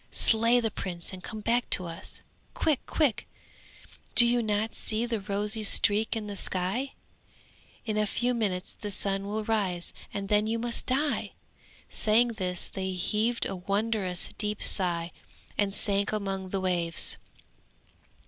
Slay the prince and come back to us! Quick! Quick! do you not see the rosy streak in the sky? In a few minutes the sun will rise and then you must die!' saying this they heaved a wondrous deep sigh and sank among the waves.